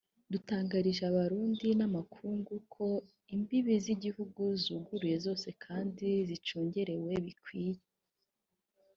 Dutangarije Abarundi n'amakungu ko imbibe z'igihugu zuguruye zose kandi zicungerewe bikwiye